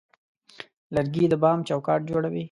لرګی د بام چوکاټ جوړوي.